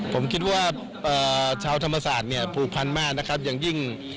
ผมคิดว่าชาวธรรมศาสตร์เนี่ยผูกพันมากนะครับอย่างยิ่ง